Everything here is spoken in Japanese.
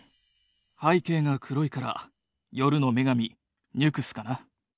「背景が黒いから夜の女神ニュクスかな」。